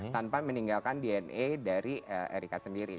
tanpa meninggalkan dna dari erika sendiri